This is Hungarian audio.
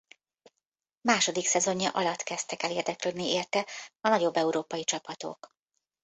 Második szezonja alatt kezdtek el érdeklődni érte a nagyobb európai csapatok.